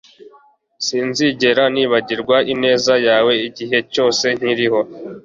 Sinzigera nibagirwa ineza yawe igihe cyose nkiriho